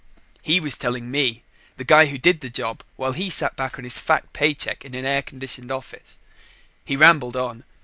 He was telling me the guy who did the job while he sat back on his fat paycheck in an air conditioned office. He rambled on.